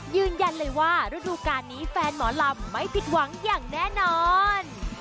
ยืนยันเลยว่าฤดูการนี้แฟนหมอลำไม่ผิดหวังอย่างแน่นอน